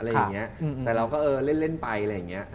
อะไรอย่างเงี้ยแต่เราก็เออเล่นไปอะไรอย่างเงี้ย